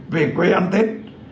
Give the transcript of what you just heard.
về quê ăn tết